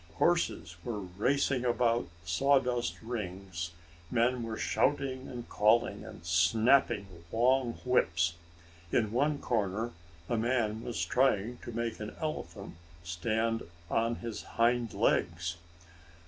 Horses were racing about sawdust rings, men were shouting and calling, and snapping long whips. In one corner a man was trying to make an elephant stand on his hind legs.